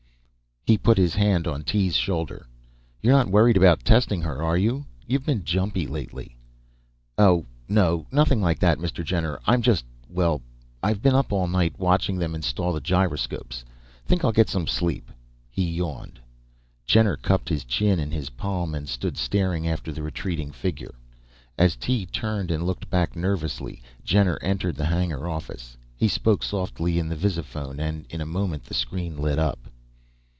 He put his hand on Tee's shoulder. "You're not worried about testing her, are you? You've been jumpy lately." "Oh, no, nothing like that, Mr. Jenner. I'm just ... well, I've been up all night watching them install the gyroscopes. Think I'll get some sleep." He yawned. Jenner cupped his chin in his palm and stood staring after the retreating figure. As Tee turned and looked back nervously, Jenner entered the hangar office. He spoke softly into the visiphone and in a moment the screen lit up.